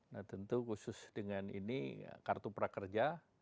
nah tentu khusus dengan ini kartu prakerja